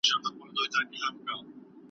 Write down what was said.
پلان جوړونه بايد بې له کوم ځنډه پيل سي.